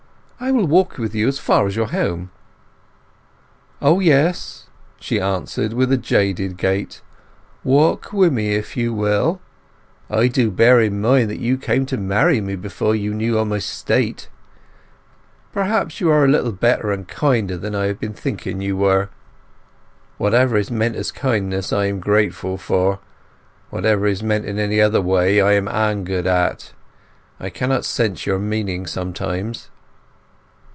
I will walk with you as far as your home." "O yes," she answered with a jaded gait. "Walk wi' me if you will! I do bear in mind that you came to marry me before you knew o' my state. Perhaps—perhaps you are a little better and kinder than I have been thinking you were. Whatever is meant as kindness I am grateful for; whatever is meant in any other way I am angered at. I cannot sense your meaning sometimes."